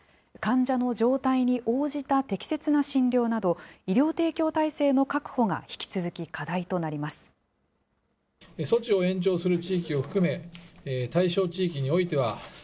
患者の状態に応じた適切な診療など、医療提供体制の確保が引き続き課題となります。